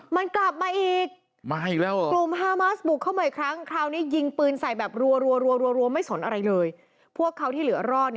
มันยังไม่จบพี่อุ๋ย